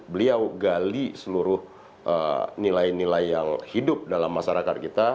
beliau gali seluruh nilai nilai yang hidup dalam masyarakat kita